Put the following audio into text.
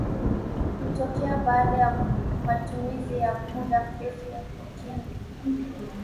hutokea baada ya matumizi ya muda mrefu ya kokeni